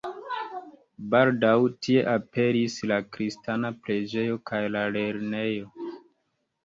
Baldaŭ tie aperis la kristana preĝejo kaj la lernejo.